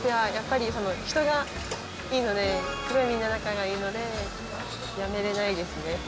人がいいので、みんな仲がいいので、やめれないですね。